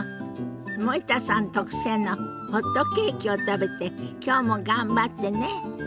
森田さん特製のホットケーキを食べてきょうも頑張ってね。